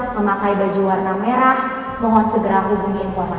sampai jumpa di video selanjutnya